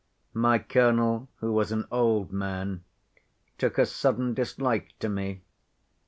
My colonel, who was an old man, took a sudden dislike to me.